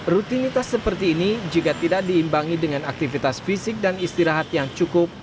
rutinitas seperti ini jika tidak diimbangi dengan aktivitas fisik dan istirahat yang cukup